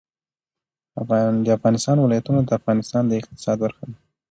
د افغانستان ولايتونه د افغانستان د اقتصاد برخه ده.